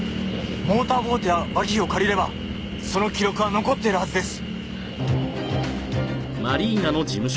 モーターボートやバギーを借りればその記録は残っているはずです！